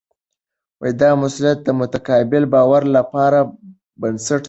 دا مسؤلیت د متقابل باور لپاره بنسټ دی.